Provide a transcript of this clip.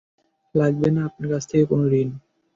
লাগবে না আপনার কাছ থেকে কোন ঋণ।